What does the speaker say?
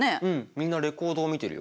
みんなレコードを見てるよ。